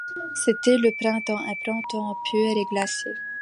C’était le printemps, un printemps pur et glacé.